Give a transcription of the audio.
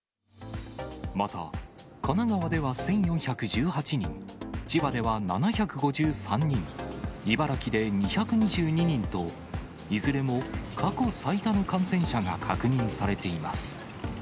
また、神奈川では１４１８人、千葉では７５３人、茨城で２２２人と、いずれも過去最多の感染者が確認されています。